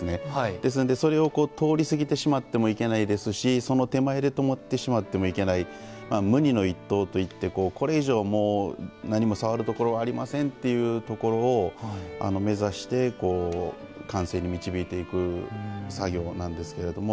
ですので、それを通り過ぎてしまってもいけないですしその手前で止まってしまってもいけない無二の一刀といってこれ以上、何も触るところはありませんというところを目指して完成に導いていく作業なんですけれども。